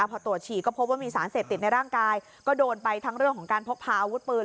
พอตรวจฉี่ก็พบว่ามีสารเสพติดในร่างกายก็โดนไปทั้งเรื่องของการพกพาอาวุธปืน